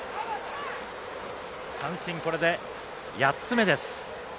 三振、これで８つ目です。